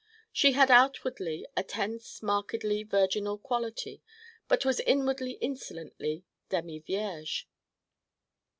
She had outwardly a tense markedly virginal quality but was inwardly insolently demi vierge.